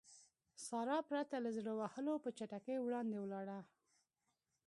سارا پرته له زړه وهلو په چټکۍ وړاندې ولاړه.